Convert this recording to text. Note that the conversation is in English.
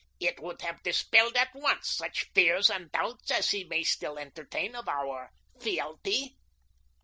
It would have dispelled at once such fears and doubts as he may still entertain of our fealty."